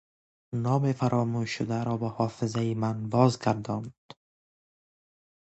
نام فراموش شده را به حافظه ی من بازگرداند!